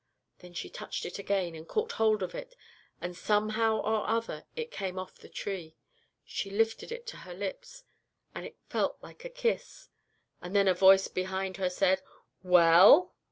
Then she touched it again, and caught hold of it, and somehow or other it came off the tree. She lifted it to her lips, and it felt like a kiss; and then a Voice behind her said "'Well?'